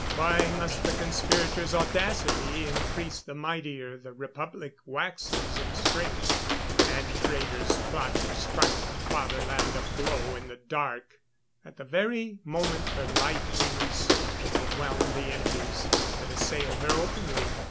Why must the conspirators' audacity increase the mightier the Republic waxes in strength, and traitors plot to strike the fatherland a blow in the dark at the very moment her lightnings overwhelm the enemies that assail her openly?"